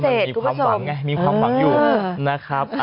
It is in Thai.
มันมีความหวังไงมีความหวังอยู่นะครับ